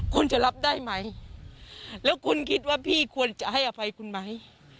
คุณจะรับได้ไหมแล้วคุณคิดว่าพี่ควรจะให้อภัยคุณไหม